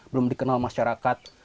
belum dikenal masyarakat